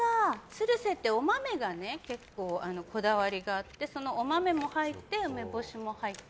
つる瀬ってお豆がこだわりがあってそのお豆も入って梅干しも入った。